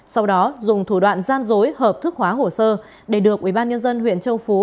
sau đó dùng thủ đoạn gian dối hợp thức hóa hồ sơ để được ubnd huyện châu phú